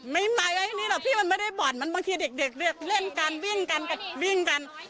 ไม่มาไว้นี่หรอกพี่มันไม่ได้บ่อนมันบางทีเด็กเล่นกันวิ่งกันวิ่งกัน